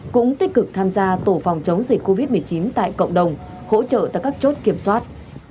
cũng tích cực tham gia tổ phòng chống dịch covid một mươi chín tại cộng đồng hỗ trợ tại các chốt kiểm soát